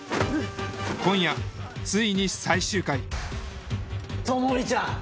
今夜ついに最終回朋美ちゃん。